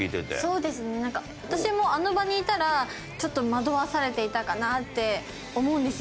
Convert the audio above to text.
そうですねなんか私もあの場にいたらちょっと惑わされていたかなって思うんですよ。